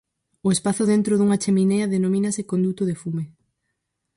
O espazo dentro dunha cheminea denomínase "conduto de fume".